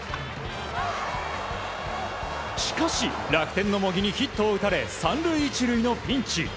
しかし、楽天の茂木にヒットを打たれ３塁１塁のピンチ。